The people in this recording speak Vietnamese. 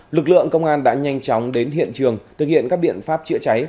lực lượng công an đã nhanh chóng đến hiện trường thực hiện các biện pháp chữa cháy